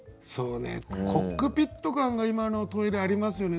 コックピット感が今のトイレありますよね。